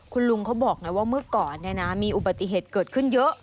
คุณลุงเขาบอกไงว่าเมื่อก่อนมีอุบัติเหตุเกิดขึ้นเยอะ